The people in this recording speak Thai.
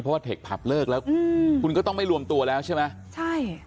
เพราะว่าเทคผับเลิกแล้วอืมคุณก็ต้องไม่รวมตัวแล้วใช่ไหมใช่